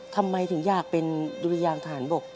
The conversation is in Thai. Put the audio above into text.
ทำไมถึงอยากเป็นดุริยางทหารบก